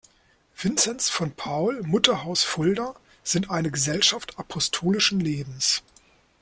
Vinzenz von Paul, Mutterhaus Fulda sind eine Gesellschaft apostolischen Lebens.